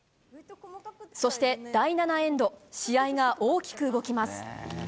そして第７エンド試合が大きく動きます。